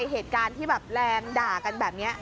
เหตุการณ์ที่แบบแรงด่ากันแบบนี้